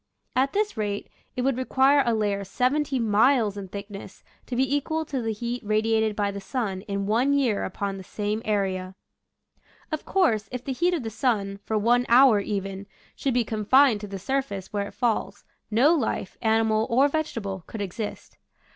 At this rate it would re quire a layer seventeen miles in thickness to be equal to the heat radiated by the sun in one year upon the same area. Of course, if the heat of the sun, for one hour even, should be confined to the surface where it falls, no life, animal or vegetable, could exist.